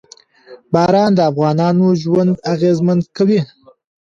باران د افغانانو ژوند اغېزمن کوي.